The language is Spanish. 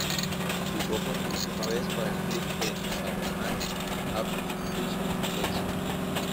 Jugó por última vez para el Club de Balonmano Hapoel Rishon-Lezion.